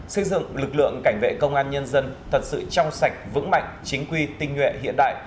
xây dựng lực lượng cảnh vệ công an nhân dân thật sự trong sạch vững mạnh chính quy tinh nhuệ hiện đại